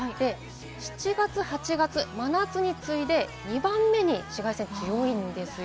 ７月、８月、真夏に次いで２番目に紫外線強いんですよ。